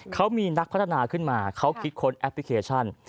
เขามีนักพัฒนาขึ้นมาเขาคิดค้นแอปพลิเคชัน